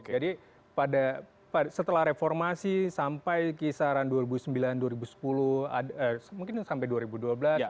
jadi setelah reformasi sampai kisaran dua ribu sembilan dua ribu sepuluh mungkin sampai dua ribu dua belas